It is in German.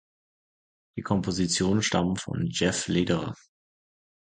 Die Kompositionen stammen von Jeff Lederer.